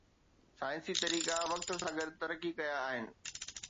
سائنسي طريقا وقت سان گڏ ترقي ڪيا آهن.